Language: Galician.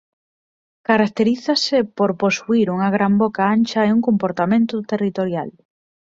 Caracterízase por posuír unha gran boca ancha e un comportamento territorial.